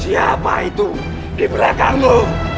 siapa itu di belakangmu